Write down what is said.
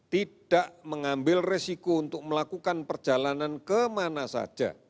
tidak mengambil resiko untuk melakukan perjalanan kemana saja